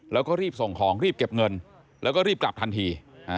แล้วก็รีบส่งของรีบเก็บเงินแล้วก็รีบกลับทันที